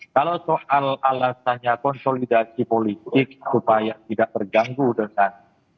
kalau soal alasannya konsolidasi politik supaya tidak terganggu dengan